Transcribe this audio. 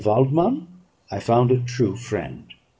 Waldman I found a true friend.